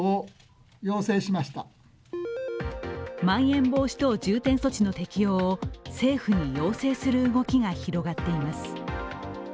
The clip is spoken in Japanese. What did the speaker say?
まん延防止等重点措置の適用を政府に要請する動きが広がっています。